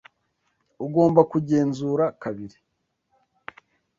Ugomba kugenzura kabiri.